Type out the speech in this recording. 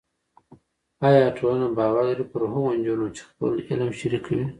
ایا ټولنه باور لري پر هغو نجونو چې خپل علم شریکوي؟